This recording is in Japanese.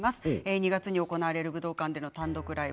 ２月に行われる武道館の単独ライブ